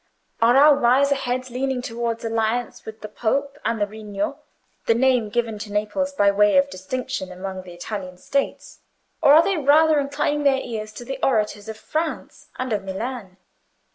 Are our wiser heads leaning towards alliance with the Pope and the Regno (The name given to Naples by way of distinction among the Italian States), or are they rather inclining their ears to the orators of France and of Milan?